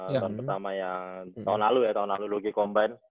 tahun pertama yang tahun lalu ya tahun lalu rookie combine